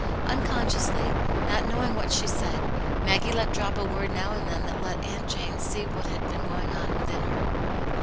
Unconsciously, not knowing what she said, Maggfie let drop a word now and then that let Aunt Jane see what had been going on within her.